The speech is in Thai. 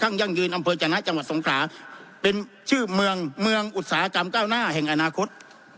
ท่างย่างนะจังหวัดสงขาเป็นเจ้าเมืองเมืองอุตสาหกรรมเก้าหน้าแห่งอนาคต